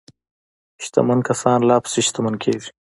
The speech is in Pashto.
شتمن کسان لا پسې شتمن کیږي.